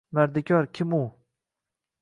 .mardikor – kim u?